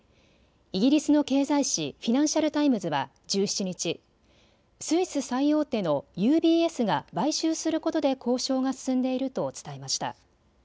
イギリスの経済誌、フィナンシャル・タイムズは１７日、スイス最大手のＵＢＳが買収することで交渉が進んでいると伝えました。